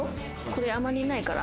これ、あまりないから。